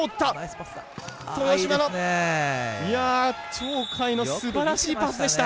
鳥海のすばらしいパスでした。